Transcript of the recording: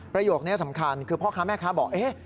ประโยคนี้สำคัญคือพ่อค้าแม่ค้าบอกเอ๊ะ